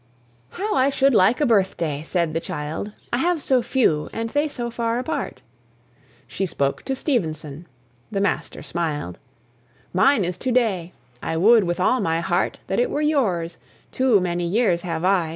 "How I should like a birthday!" said the child, "I have so few, and they so far apart." She spoke to Stevenson the Master smiled "Mine is to day; I would with all my heart That it were yours; too many years have I!